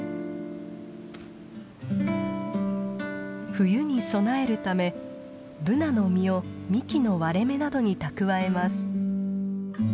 冬に備えるためブナの実を幹の割れ目などに蓄えます。